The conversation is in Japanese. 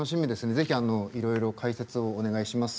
是非いろいろ解説をお願いします。